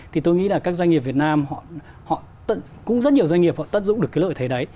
thì tôi nghĩ là các doanh nghiệp việt nam họ cũng rất nhiều doanh nghiệp họ tận dụng được cái lợi thế đấy